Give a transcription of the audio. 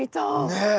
ねえ。